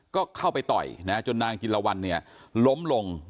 ก็เข้าไปต่อยจนนางจิลวันเนี่ยล้มลง